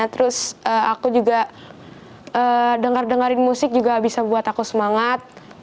terus aku juga dengar dengarin musik juga bisa buat aku semangat